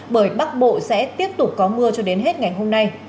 bởi bắc bộ sẽ tiếp tục có mưa cho đến hết ngày hôm nay